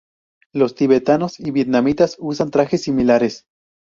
Los tibetanos y vietnamitas usan trajes similares.